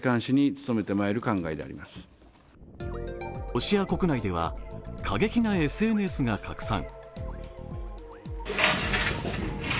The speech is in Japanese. ロシア国内では過激なＳＮＳが拡散